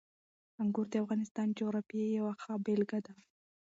انګور د افغانستان د جغرافیې یوه ښه بېلګه ده.